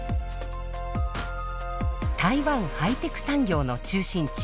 台湾ハイテク産業の中心地